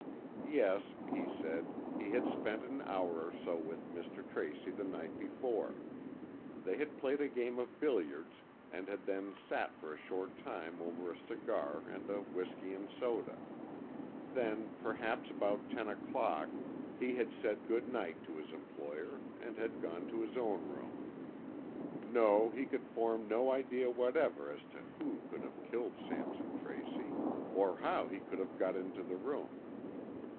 Yes, he said, he had spent an hour or so with Mr. Tracy the night before. They had played a game of billiards and had then sat for a short time over a cigar and a whisky and soda. Then, perhaps about ten o'clock, he had said good night to his employer and had gone to his own room. No, he could form no idea whatever as to who could have killed Sampson Tracy, or how he could have got into the room.